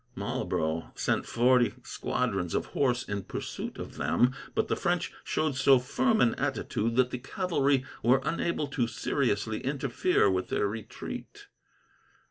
Marlborough sent forty squadrons of horse in pursuit of them, but the French showed so firm an attitude that the cavalry were unable to seriously interfere with their retreat.